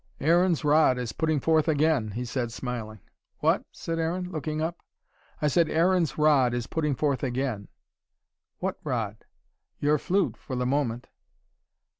"Aaron's rod is putting forth again," he said, smiling. "What?" said Aaron, looking up. "I said Aaron's rod is putting forth again." "What rod?" "Your flute, for the moment."